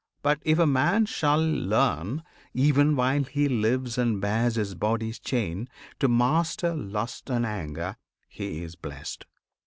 But if a man shall learn, Even while he lives and bears his body's chain, To master lust and anger, he is blest!